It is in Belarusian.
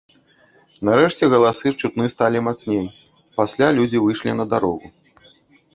Нарэшце галасы чутны сталі мацней, пасля людзі выйшлі на дарогу.